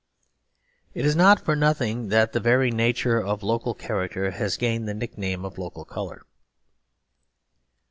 It is not for nothing that the very nature of local character has gained the nickname of local colour.